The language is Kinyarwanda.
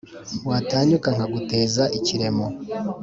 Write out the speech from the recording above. watanyuka nkaguteza ikiremo,